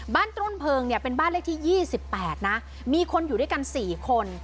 บ้านต้นเพลิงเนี่ยเป็นบ้านเลขที่ยี่สิบแปดนะมีคนอยู่ด้วยกันสี่คน